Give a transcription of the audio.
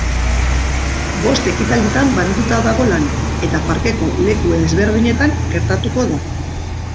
Bost ekitalditan banatuta dago lana, eta parkeko leku desberdinetan gertatuko da.